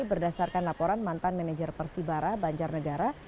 berdasarkan laporan mantan manajer persibara banjarnegara